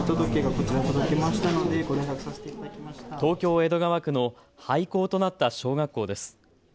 東京江戸川区の廃校となった小学校です。